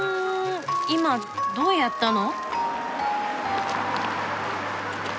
今どうやったの？